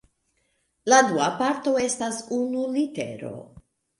La dua parto estas unu litero.